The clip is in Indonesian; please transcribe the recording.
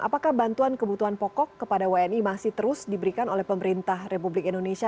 apakah bantuan kebutuhan pokok kepada wni masih terus diberikan oleh pemerintah republik indonesia